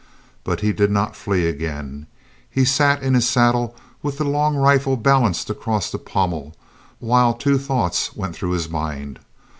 But he did not flee again. He sat in his saddle with the long rifle balanced across the pommel while two thoughts went through his mind.